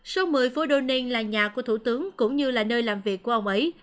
số một mươi phố doning là nhà của thủ tướng cũng như là nơi làm việc của ông ấy